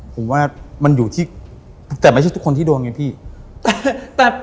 ผมว่ามันอยู่ที่แต่ไม่ใช่ทุกคนที่โดนไงพี่